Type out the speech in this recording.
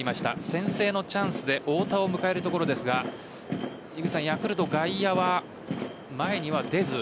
先制のチャンスで太田を迎えるところですがヤクルト、外野は前には出ず。